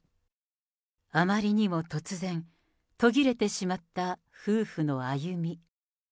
あまりにも突然、途切れてしまった夫婦の歩み。